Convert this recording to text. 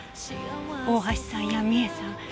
大橋さんや美恵さん。